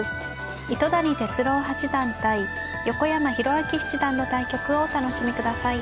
糸谷哲郎八段対横山泰明七段の対局をお楽しみください。